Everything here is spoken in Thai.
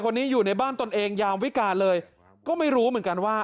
คนนี้อยู่ในบ้านตนเองยามวิการเลยก็ไม่รู้เหมือนกันว่า